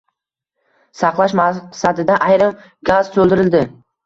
Saqlash maqsadida ayrim gaz toʻldirildi.